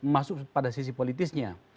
masuk pada sisi politisnya